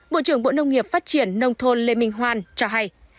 bộ trưởng bộ nông nghiệp phát triển nông thôn lê minh hoan cho hay